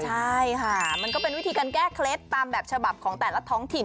ใช่ค่ะมันก็เป็นวิธีการแก้เคล็ดตามแบบฉบับของแต่ละท้องถิ่น